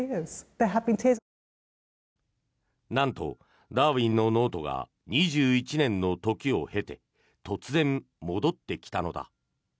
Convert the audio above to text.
なんと、ダーウィンのノートが２１年の時を経て突然、戻ってきたのだ。